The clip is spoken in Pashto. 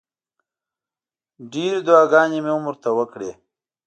ډېرې دوعاګانې مې هم ورته وکړې.